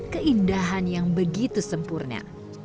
keindahan yang begitu sempurna